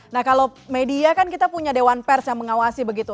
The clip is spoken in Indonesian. nah kalau media kan kita punya dewan pers yang mengawasi begitu